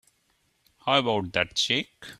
How about that check?